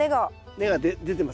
根が出てますね。